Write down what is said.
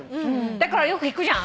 だからよく聞くじゃん。